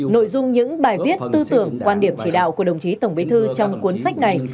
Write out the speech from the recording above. nội dung những bài viết tư tưởng quan điểm chỉ đạo của đồng chí tổng bí thư trong cuốn sách này